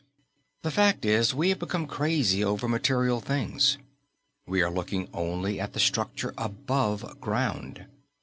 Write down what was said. The fact is, we have become crazy over material things. We are looking only at the structure above ground.